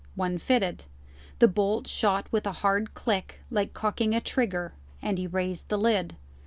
One fitted; the bolt shot with a hard click, like cocking a trigger, and he raised the lid.